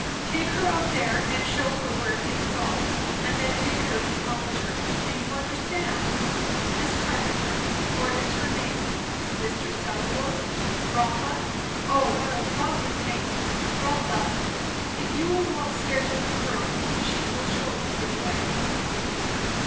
Take her up there and shew her where things are; and then take her to mamma's room; do you understand? Miss Carpenter what is her name, Mr. Southwode? Rotha? O what a lovely name! Rotha, if you will go up stairs with the girl, she will shew you your way."